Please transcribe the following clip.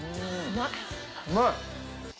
うまい！